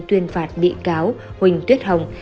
tuyên phạt bị cáo huỳnh tuyết hồng